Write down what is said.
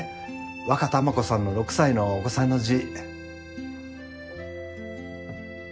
ワカタマコさんの６歳のお子さんの字。